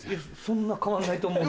そんな変わらないと思う。